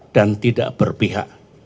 dan tidak berpihak